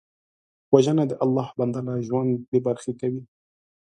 وژنه د الله بنده له ژونده بېبرخې کوي